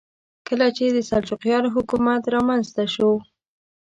کله چې د سلجوقیانو حکومت رامنځته شو.